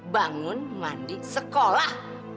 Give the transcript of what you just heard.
bangun mandi sekolah